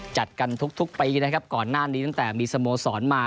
จัดกันทุกปีนะครับก่อนหน้านี้ตั้งแต่มีสโมสรมา